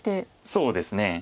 そうですね。